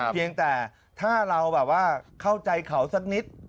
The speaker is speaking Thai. เพียงแต่ถ้าเราเข้าใจเขาสักนิด